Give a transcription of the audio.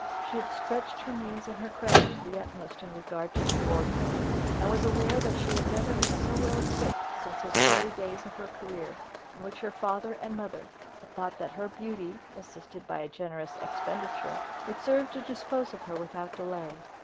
She had stretched her means and her credit to the utmost in regard to her wardrobe, and was aware that she had never been so well equipped since those early days of her career in which her father and mother had thought that her beauty, assisted by a generous expenditure, would serve to dispose of her without delay.